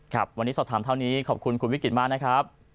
ครับวันนี้สอบถามเท่านี้ขอบคุณคุณวิกฤตมากนะครับ